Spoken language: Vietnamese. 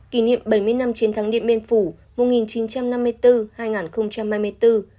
kỷ niệm bảy mươi năm chiến thắng điện biên phủ